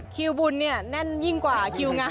คิวบุญเนี่ยแน่นยิ่งกว่าคิวไง